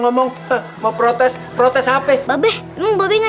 aku mau tarik pas continua